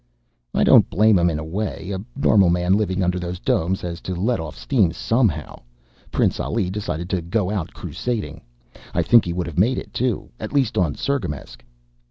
"I don't blame him in a way. A normal man living under those domes has to let off steam somehow. Prince Ali decided to go out crusading. I think he would have made it too at least on Cirgamesç."